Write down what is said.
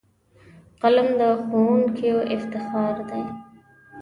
قلم د ښوونکیو افتخار دی